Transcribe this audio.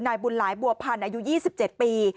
นายบุญหลายบัวพันธ์อายุ๒๗ปี